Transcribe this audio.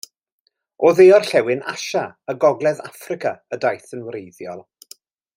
O dde-orllewin Asia a gogledd Affrica y daeth yn wreiddiol.